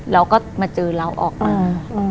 แล้วก็มาเจอเราออกมา